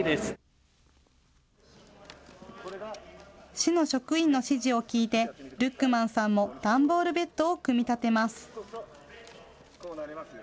市の職員の指示を聞いてルックマンさんも段ボールベッドを組み立てます。